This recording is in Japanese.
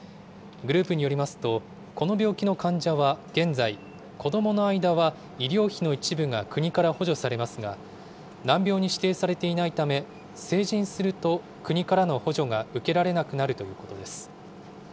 グループによりますと、この病気の患者は現在、子どもの間は医療費の一部が国から補助されますが、難病に指定されていないため、成人すると国からの補助が受けられなくなるということです。